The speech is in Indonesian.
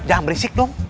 jangan berisik dong